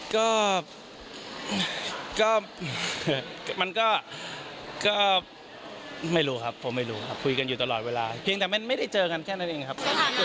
ก็มันก็ไม่รู้ครับผมไม่รู้ครับคุยกันอยู่ตลอดเวลาเพียงแต่ไม่ได้เจอกันแค่นั้นเองครับ